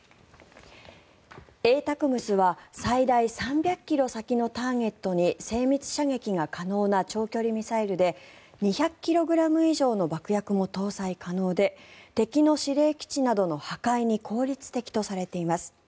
ＡＴＡＣＭＳは最大３００ｋｍ先のターゲットに精密射撃が可能な長距離ミサイルで２００ｋｇ以上の爆薬も搭載可能で敵の司令基地などの破壊に効率的とされています。